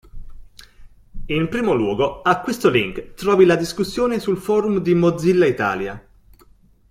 In primo luogo, a questo link trovi la discussione sul forum di Mozilla Italia.